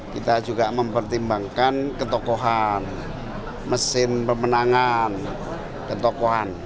kita juga mempertimbangkan ketokohan mesin pemenangan ketokohan